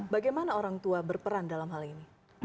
bagaimana orang tua berperan dalam hal ini